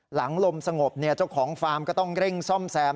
ลมสงบเจ้าของฟาร์มก็ต้องเร่งซ่อมแซม